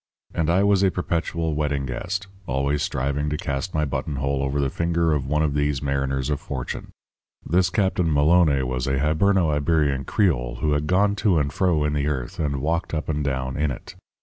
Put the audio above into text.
And I was a perpetual wedding guest, always striving to cast my buttonhole over the finger of one of these mariners of fortune. This Captain Maloné was a Hiberno Iberian creole who had gone to and fro in the earth and walked up and down in it.